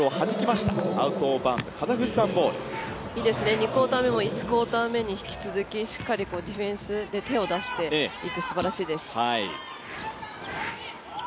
２クオーター目も１クオーター目に続きしっかりディフェンスに手を出していっててすばらしいです。